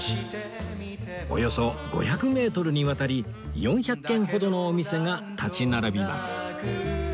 およそ５００メートルにわたり４００軒ほどのお店が立ち並びます